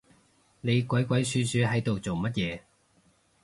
你鬼鬼鼠鼠係度做乜嘢